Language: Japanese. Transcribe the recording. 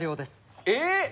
えっ！